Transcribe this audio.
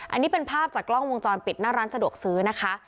อันนี้เป็นภาพจากกล้องวงจรปิดหน้าร้านสะดวกซื้อนะคะ